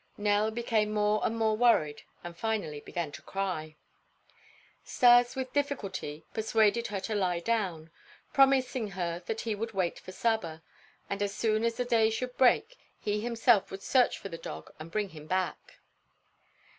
Nell became more and more worried and finally began to cry. Stas with difficulty persuaded her to lie down, promising her that he would wait for Saba, and as soon as the day should break, he himself would search for the dog and bring him back.